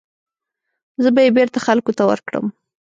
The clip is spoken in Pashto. زه به یې بېرته خلکو ته ورکړم.